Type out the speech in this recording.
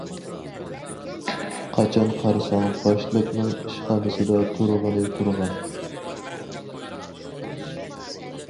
قاچان قارىساڭ باشلىقنىڭ ئىشخانىسىدا تۇرغىنى تۇرغان.